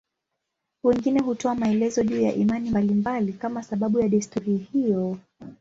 Wengine hutoa maelezo juu ya imani mbalimbali kama sababu ya desturi hiyo.